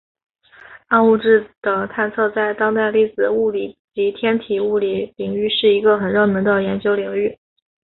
暗物质的探测在当代粒子物理及天体物理领域是一个很热门的研究领域。